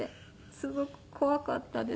すごく怖かったですね。